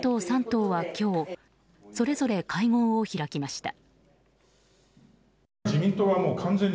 ３党は今日それぞれ会合を開きました。